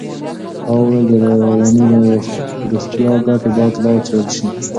ها وویل د رواني روغتیا ګټې باید لا څېړل شي.